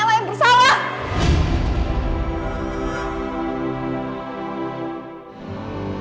tapi dia masih gue